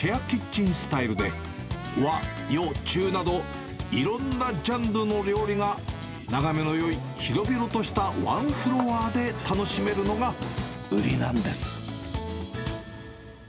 キッチンスタイルで、和洋中など、いろんなジャンルの料理が眺めのよい広々としたワンフロアで楽しめるのが売りなんです。